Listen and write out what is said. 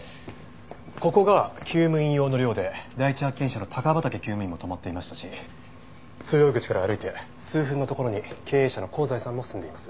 ここが厩務員用の寮で第一発見者の高畠厩務員も泊まっていましたし通用口から歩いて数分の所に経営者の香西さんも住んでいます。